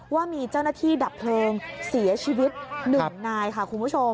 ว่ามีเจ้าหน้าที่ดับเพลิงเสียชีวิต๑นายค่ะคุณผู้ชม